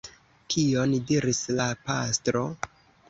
Kion diris la pastro?